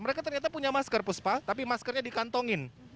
mereka ternyata punya masker puspa tapi maskernya dikantongin